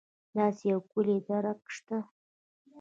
داسې یو کُلي درک شته.